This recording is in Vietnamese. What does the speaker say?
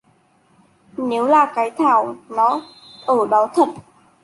Nếu là Cái Thảo nó ở đó thật